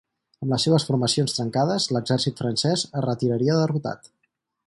Amb les seves formacions trencades l'exèrcit francès es retiraria derrotat.